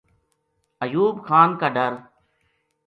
ایوب خان کا ڈر